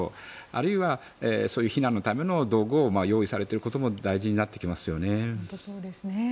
あるいはそういう避難のための道具を用意されていることも大事になってきますよね。